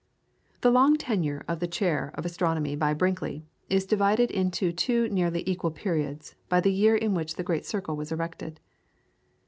The long tenure of the chair of Astronomy by Brinkley is divided into two nearly equal periods by the year in which the great circle was erected.